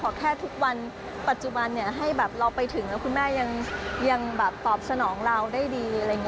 เพราะแค่ทุกวันปัจจุบันให้แบบเราไปถึงแล้วคุณแม่ยังแบบตอบสนองเราได้ดีอะไรอย่างนี้